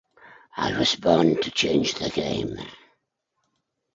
I was born to change the game.